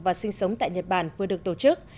và sinh sống tại nhật bản vừa được tổ chức